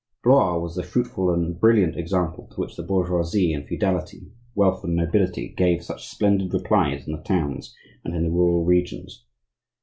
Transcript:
Blois was the fruitful and brilliant example to which the Bourgeoisie and Feudality, Wealth and Nobility, gave such splendid replies in the towns and in the rural regions.